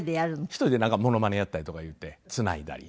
１人でなんかモノマネやったりとかいうてつないだり。